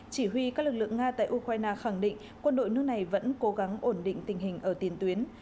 chỉ huy các lực lượng nga tại ukraine khẳng định quân đội nước này vẫn cố gắng ổn định tình hình ở tiền tuyến